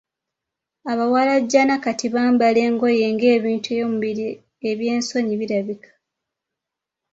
Abawalajjana kati bambala engoye ng‘ebintu by'omubiri eby'esonyi bilabika.